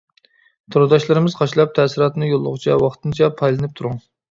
تورداشلىرىمىز قاچىلاپ، تەسىراتىنى يوللىغۇچە ۋاقتىنچە پايدىلىنىپ تۇرۇڭ.